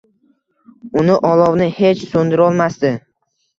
Uni olovni hech so’ndirolmasdi.